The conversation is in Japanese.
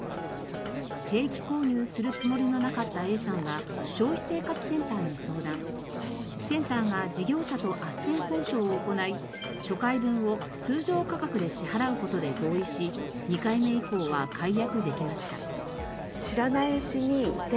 定期購入するつもりのなかったＡさんはセンターが事業者とあっせん交渉を行い初回分を通常価格で支払う事で合意し２回目以降は解約できました。